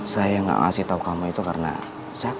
saya gak ngasih tahu kamu itu karena saya takut